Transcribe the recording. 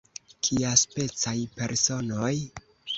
Kiaspecaj personoj?